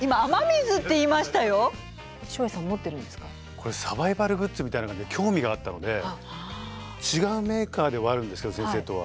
これサバイバルグッズみたいな感じで興味があったので違うメーカーではあるんですけど先生とは。